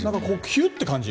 キュッて感じ。